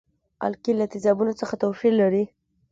القلي له تیزابو سره څه توپیر لري.